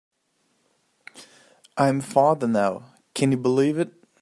I am father now, can you believe it?